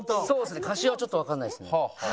そうですね柏はちょっとわかんないですね。